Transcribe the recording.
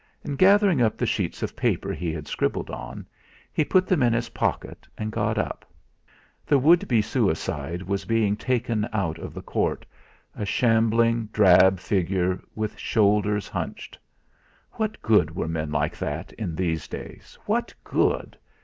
And gathering up the sheets of paper he had scribbled on, he put them in his pocket and got up. The would be suicide was being taken out of the court a shambling drab figure with shoulders hunched. What good were men like that in these days! What good!